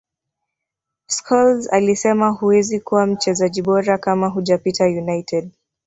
scholes alisema huwezi kuwa mchezaji bora kama hujapita united